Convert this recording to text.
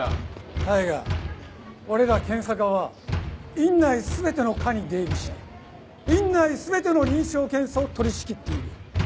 大賀俺ら検査科は院内全ての科に出入りし院内全ての臨床検査を取り仕切っている。